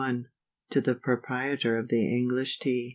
_To the Proprietor of the English Tea.